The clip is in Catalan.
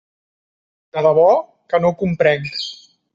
De debò que no ho comprenc.